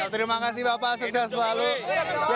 terima kasih bapak sukses selalu